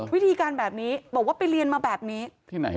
วิธีการแบบนี้บอกว่าไปเรียนมาแบบนี้ที่ไหน